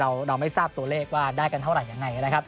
เราไม่ทราบตัวเลขว่าได้กันเท่าไหร่ยังไงนะครับ